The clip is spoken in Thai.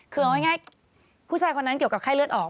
คือเอาง่ายผู้ชายคนนั้นเกี่ยวกับไข้เลือดออก